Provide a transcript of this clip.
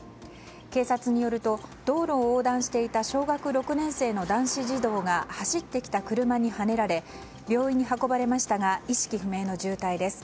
警察によると道路を横断していた男子児童が走ってきた車にはねられ病院に運ばれましたが意識不明の重体です。